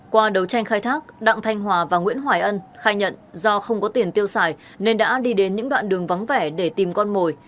qua đấu tranh khai thác đặng thanh hòa và nguyễn hoài ân khai nhận do không có tiền tiêu xài nên đã đi đến những đoạn đường vắng vẻ để tìm con mồi